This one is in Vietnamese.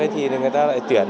thì người ta lại tuyển